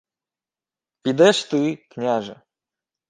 — Підеш ти, княже.